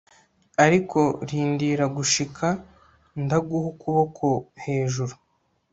Ariko rindira gushika ndaguha ukuboko hejuru